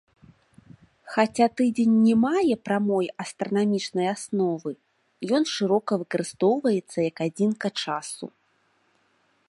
Хаця тыдзень не мае прамой астранамічнай асновы, ён шырока выкарыстоўваецца як адзінка часу.